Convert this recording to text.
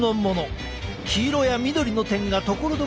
黄色や緑の点がところどころについている。